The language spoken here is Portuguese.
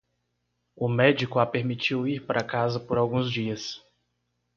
O médico a permitiu ir para casa por alguns dias.